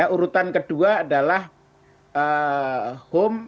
urutan kedua adalah home